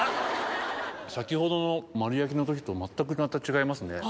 先ほどの丸焼きの時と全くまた違いますね。